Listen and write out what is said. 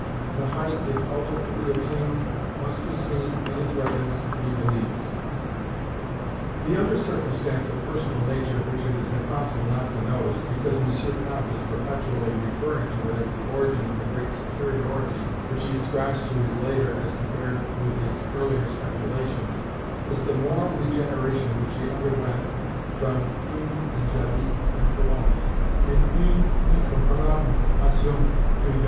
The height it ultimately attained must be seen, in his writings, to be believed. The other circumstance of a personal nature which it is impossible not to notice, because M. Comte is perpetually referring to it as the origin of the great superiority which he ascribes to his later as compared with his earlier speculations, is the "moral regeneration" which he underwent from "une angélique influence" and "une incomparable passion privée."